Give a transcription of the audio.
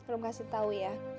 lu kasih tau ya